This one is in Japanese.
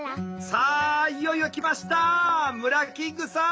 さあいよいよ来ましたムラキングさん。